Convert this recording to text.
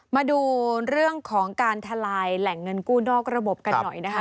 มาดูเรื่องของการทลายแหล่งเงินกู้นอกระบบกันหน่อยนะคะ